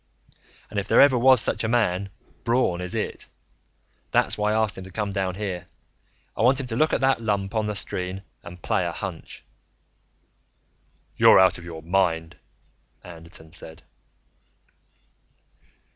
"And if there ever was such a man, Braun is it. That's why I asked him to come down here. I want him to look at that lump on the screen and play a hunch." "You're out of your mind," Anderton said.